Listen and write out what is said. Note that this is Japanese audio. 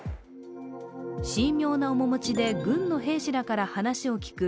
神妙な面持ちで軍の兵士らから話を聞く